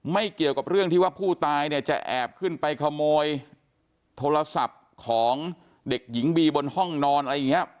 เกี่ยวกับเรื่องที่ว่าผู้ตายเนี่ยจะแอบขึ้นไปขโมยโทรศัพท์ของเด็กหญิงบีบนห้องนอนอะไรอย่างนี้